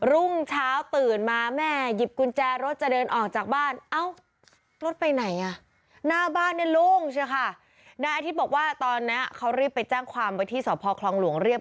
รุ่งเช้าตื่นมาแม่หยิบกุญแจรถจะเดินออกจากบ้าน